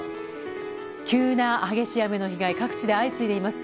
急な激しい雨の被害各地で相次いでいます。